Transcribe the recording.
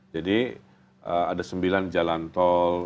ada sembilan jalan tol